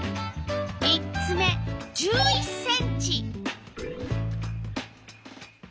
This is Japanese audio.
３つ目１１ｃｍ。